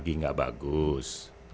jaringannya lagi gak bagus